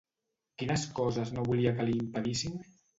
Quines coses no volia que li impedissin?